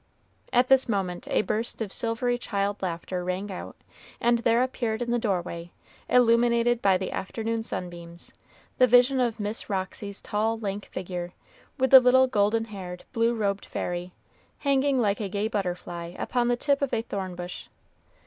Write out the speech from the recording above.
At this moment a burst of silvery child laughter rang out, and there appeared in the doorway, illuminated by the afternoon sunbeams, the vision of Miss Roxy's tall, lank figure, with the little golden haired, blue robed fairy, hanging like a gay butterfly upon the tip of a thorn bush.